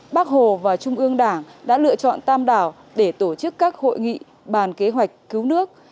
bác hồ và trung ương đảng đã lựa chọn tàm đảo để tổ chức các hội nghị bàn kế hoạch cứu nước